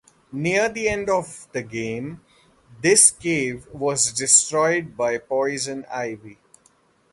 Near the end of the game this cave was destroyed by Poison Ivy.